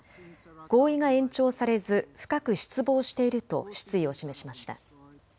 合意が延長されず深く失望していると失意を示しました。